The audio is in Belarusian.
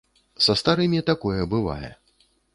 Са старымі такое бывае.